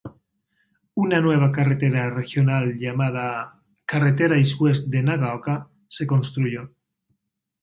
Una nueva carretera regional llamada "Carretera East-West de Nagaoka" se construyó.